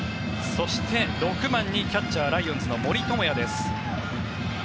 そして６番にキャッチャーライオンズの森友哉です。